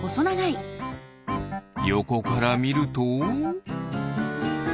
よこからみると？